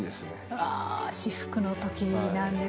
ああ至福の時なんですね。